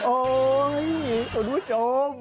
โอ้โหผู้ชม